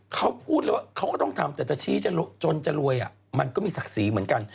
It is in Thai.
เขาพูดเลยว่าเขาก็ต้องทำแต่จะชี้จนจะรวยมันก็มีศักดิ์ศรีเหมือนกัน